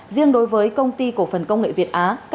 riêng đối với công ty cổ phần công nghệ việt á